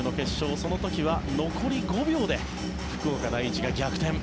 その時は残り５秒で福岡第一が逆転。